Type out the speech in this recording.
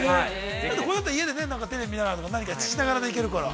◆これだったら家でテレビ見ながらとか何かしながらでいけるから。